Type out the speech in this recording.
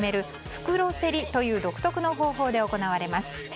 袋競りという独特の方法で行われます。